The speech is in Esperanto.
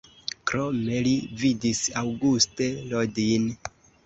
Krome li vidis Auguste Rodin.